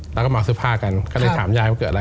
แล้วก็มาซื้อผ้ากันก็เลยถามยายว่าเกิดอะไร